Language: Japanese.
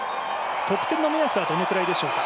得点の目安はどのくらいでしょうか？